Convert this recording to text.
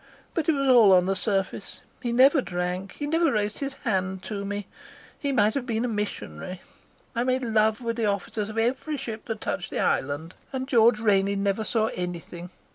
But it was all on the surface. He never drank. He never raised his hand to me. He might have been a missionary. I made love with the officers of every ship that touched the island, and George Rainey never saw anything.